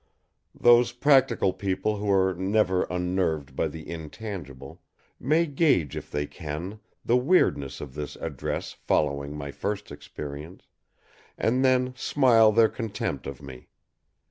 Those practical people who are never unnerved by the intangible, may gauge if they can the weirdness of this address following my first experience, and then smile their contempt of me.